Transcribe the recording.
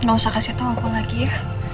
tidak usah kasih tahu aku lagi ya